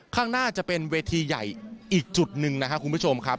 ข้างหน้าจะเป็นเวทีใหญ่อีกจุดหนึ่งนะครับคุณผู้ชมครับ